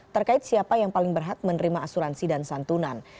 terkait siapa yang paling berhak menerima asuransi dan santunan